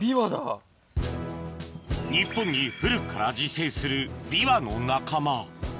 日本に古くから自生するビワの仲間